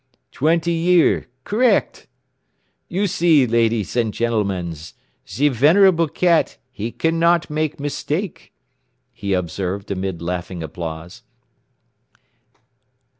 "Twenty year. Correc'. "You see, ladees and gentlemans, ze venerable cat he cannot make mistake," he observed amid laughing applause.